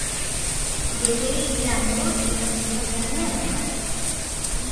Gehiegi jan dut eta tripako mina daukat